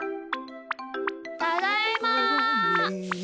ただいま！